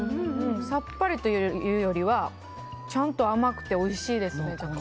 さっぱりというよりはちゃんと甘くておいしいです。